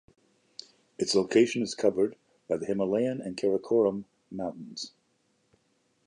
Its location is covered by the Himalayan and Karakoram mountains.